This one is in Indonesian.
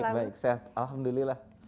baik baik sehat alhamdulillah